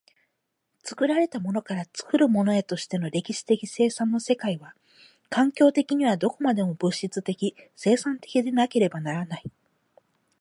作られたものから作るものへとしての歴史的生産の世界は、環境的にはどこまでも物質的生産的でなければならない。